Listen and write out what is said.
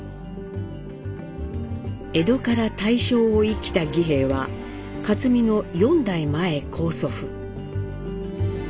江戸から大正を生きた儀平は克実の４代前高祖父。